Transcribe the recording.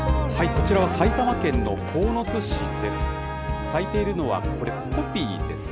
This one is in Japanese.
こちらは埼玉県の鴻巣市です。